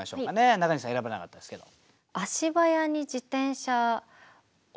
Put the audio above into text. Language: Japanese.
中西さん選ばれなかったですけど。